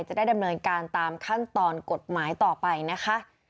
จะได้ดำเนินการตามขั้นตอนกฎหมายต่อไปนะคะ